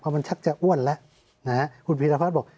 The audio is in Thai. มันชักจะอ้วนแล้วคุณพีรพัฒน์บอก